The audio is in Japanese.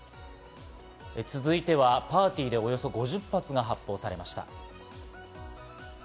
続いてはパーティーでおよそ５０発が発砲されました。